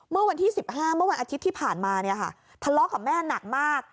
เมื่อวันที่๑๕เมื่อวันอาทิตย์ที่ผ่านมาเนี่ยค่ะทะเลาะกับแม่หนักมาก